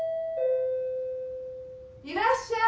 ・いらっしゃい。